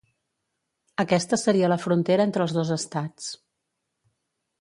Aquesta seria la frontera entre els dos estats.